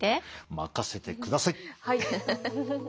任せてください！